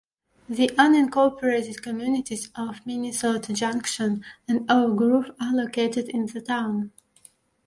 The unincorporated communities of Minnesota Junction and Oak Grove are located in the town.